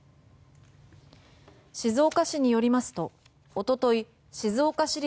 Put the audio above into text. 静岡市によりますとおととい静岡市立